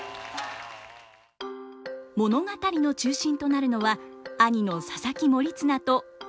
物語の中心となるのは兄の佐々木盛綱と弟の高綱。